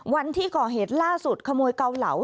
วันที่ก่อเหตุล่าสุดขโมยเกาเหลา